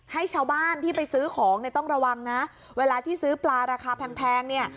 ให้ชาวบ้านที่ไปซื้อของเนี่ยต้องระวังนะเวลาที่ซื้อปลาราคาแพงเนี่ย